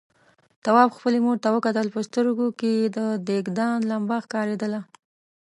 تواب خپلې مور ته وکتل، په سترګوکې يې د دېګدان لمبه ښکارېدله.